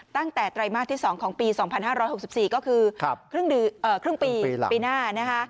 ไตรมาสที่๒ของปี๒๕๖๔ก็คือครึ่งปีปีหน้านะคะ